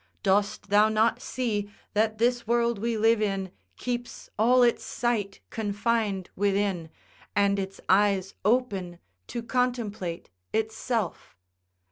Dost thou not see that this world we live in keeps all its sight confined within, and its eyes open to contemplate itself?